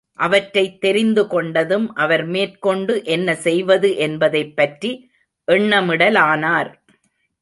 அவற்றைத் தெரிந்துகொண்டதும் அவர் மேற்கொண்டு என்ன செய்வது என்பதைப்பற்றி எண்ணமிடலானார்.